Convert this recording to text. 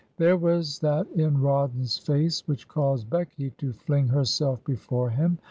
... There was that in Rawdon's face which caused Becky to fling herself before him.